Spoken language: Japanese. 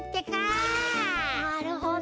なるほど。